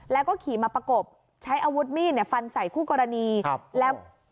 แล้วก็ขี่มาประกบใช้อาวุธมีดเนี่ยฟันใส่คู่กรณีครับแล้ว